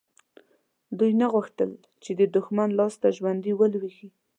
دوی نه غوښتل چې د دښمن لاسته ژوندي ولویږي.